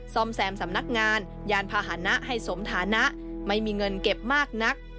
ซ่อมแซมสำนักงานยานพาหนะให้สมฐานะไม่มีเงินเก็บมากนัก